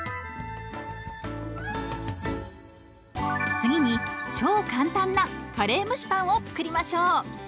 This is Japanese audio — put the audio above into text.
次に超簡単なカレー蒸しパンを作りましょう。